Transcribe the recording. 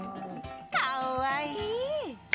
かっわいい！